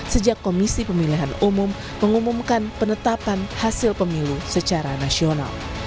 sejak komisi pemilihan umum mengumumkan penetapan hasil pemilu secara nasional